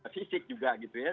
fisik juga gitu ya